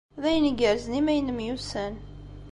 D ayen igerrzen imi ay nemyussan.